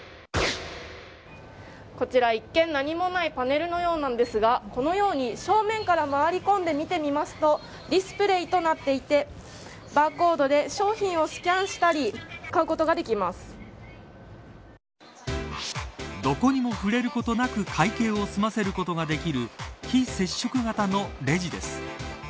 こちら一見何もないパネルのようなんですがこのように正面から回り込んで見てみますとディスプレーとなっていてバーコードで商品をスキャンしたりどこにも触れることなく会計を済ませることができる非接触型のレジです。